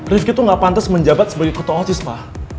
rifki tuh gak pantes menjabat sebagai ketua ausis pa